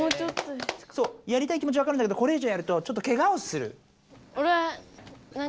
やりたい気持ちはわかるんだけどこれいじょうやるとちょっとケガをする。